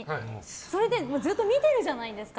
それで、ずっと見てるじゃないですか。